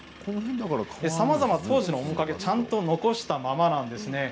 さまざま当時の面影をちゃんと残したままなんです。